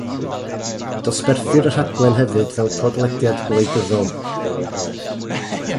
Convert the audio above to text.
Dosberthir y rhaglen hefyd fel podlediad gwleidyddol.